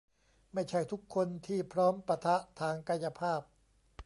ไม่ใช่ทุกคนที่พร้อมปะทะทางกายภาพ